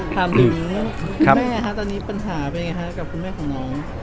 ถามหนูคุณแม่ครับตอนนี้ปัญหาเป็นยังไงครับกับคุณแม่ของน้อง